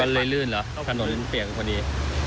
ขนวงลื่นหรือขนวงลื่นเปียกพอดี